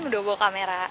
udah bawa kamera